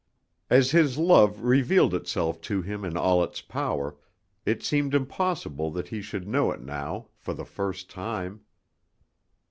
As his love revealed itself to him in all its power, it seemed impossible that he should know it now for the first time.